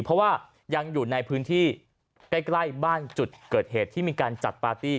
เพราะว่ายังอยู่ในพื้นที่ใกล้บ้านจุดเกิดเหตุที่มีการจัดปาร์ตี้